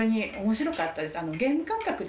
面白かったです。